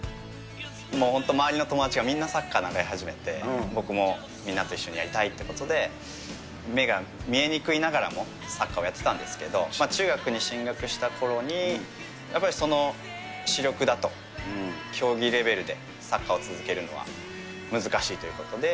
本当周りの友達がみんなサッカー習い始めて、僕もみんなと一緒にやりたいということで、目が見えにくいながらも、サッカーをやってたんですけれども、中学に進学したころに、やっぱりその視力だと競技レベルでサッカーを続けるのは難しいということで。